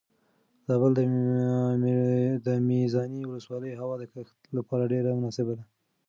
د زابل د میزانې ولسوالۍ هوا د کښت لپاره ډېره مناسبه ده.